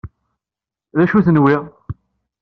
D acu-ten wi?